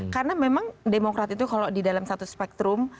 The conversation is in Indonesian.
karena memang demokrat itu kalau di dalam satu spektrum